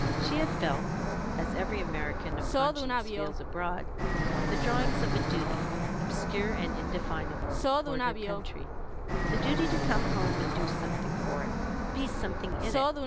She had felt, as every American of conscience feels abroad, the drawings of a duty, obscure and indefinable, toward her country, the duty to come home and do something for it, be something in it.